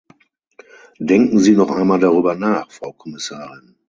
Denken Sie noch einmal darüber nach, Frau Kommissarin.